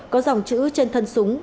có dòng chữ trên thân súng